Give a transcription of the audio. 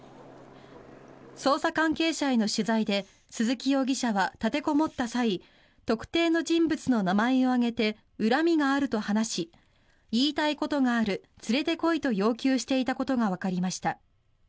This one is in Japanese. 捜査関係者への取材で鈴木容疑者は立てこもった際特定の人物の名前を挙げて恨みがあると話し言いたいことがある連れて来いと要求していたことがわかりました。